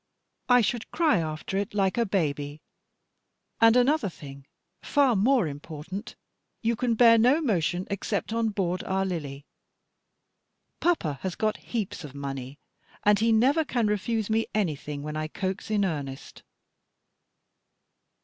I should cry after it like a baby; and another thing, far more important, you can bear no motion except on board our Lily. Papa has got great heaps of money, and he never can refuse me anything when I coax in earnest."